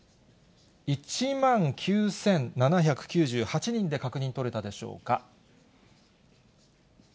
１万９７９８人で確認取れたでしょうか。